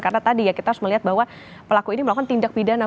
karena tadi ya kita harus melihat bahwa pelaku ini melakukan tindak pidana